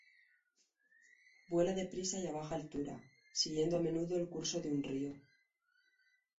Vuela deprisa y a baja altura, siguiendo a menudo el curso de un río.